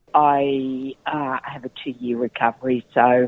saya memiliki penyelamat dua tahun